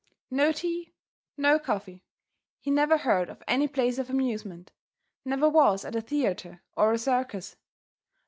No tea, no coffee; he never heard of any place of amusement, never was at a theatre, or a circus.